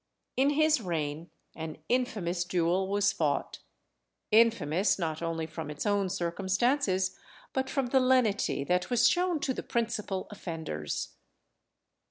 In his reign an infamous duel was fought infamous not only from its own circumstances, but from the lenity that was shewn to the principal offenders.